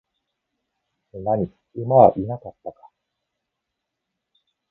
何、馬はいなかったか?